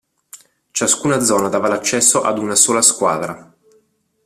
Ciascuna zona dava l'accesso ad una sola squadra.